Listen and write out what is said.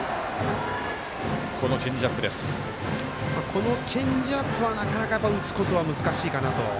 このチェンジアップはなかなか打つことは難しいかなと。